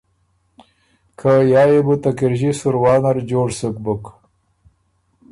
که یا يې بُو ته کِرݫی سُروا نر جوړ سُک بُک